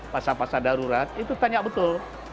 pasar pasar darurat itu tanya betul